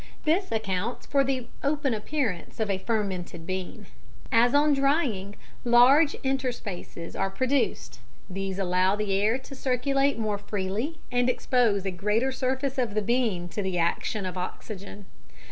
This accounts for the open appearance of a fermented bean. As on drying large interspaces are produced, these allow the air to circulate more freely and expose a greater surface of the bean to the action of oxygen.